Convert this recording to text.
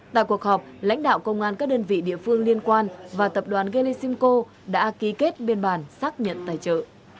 tại cuộc họp lãnh đạo công an các đơn vị địa phương liên quan và tập đoàn gelesimco đã ký kết biên bản xác nhận tài trợ